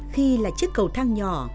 khi là chiếc cầu thang nhỏ